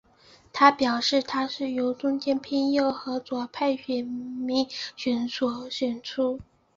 他表示他是由中间偏右和左派选民所选出。